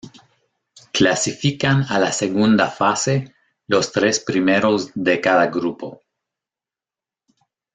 Clasifican a la segunda fase, los tres primeros de cada grupo.